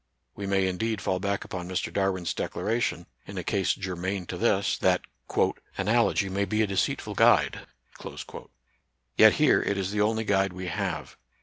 We may, indeed, fall back upon Mr. Darwin's declaration, in a case germane to this, that " analogy may be a deceitful guide." Yet here it is the only guide we have.